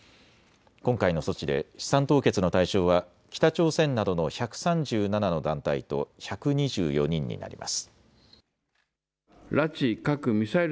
今回の措置で資産凍結の対象は北朝鮮などの１３７の団体と１２４人になります。